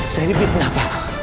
saya ini fitnah pak